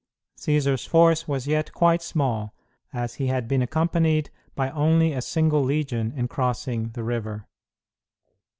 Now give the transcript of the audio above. Cćsar's force was yet quite small, as he had been accompanied by only a single legion in crossing the river.